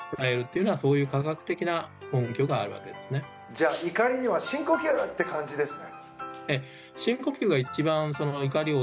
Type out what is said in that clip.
じゃあ怒りには深呼吸！って感じですね。